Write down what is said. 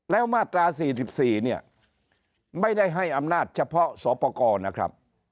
แล้วมาตรา๔๔เนี่ยไม่ได้ให้อำนาจเฉพาะสอบประกอบนะครับ